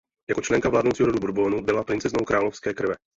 Jako členka vládnoucího rodu Bourbonů byla "princeznou královské krve".